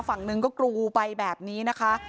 ฝั่งหนึ่งก็กรูไปแบบนี้นะคะ